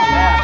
kear di depan